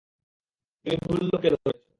তুমি ভুল লোককে ধরেছ।